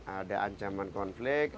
ada ancaman konflik